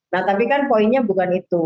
nah tapi kan poinnya bukan itu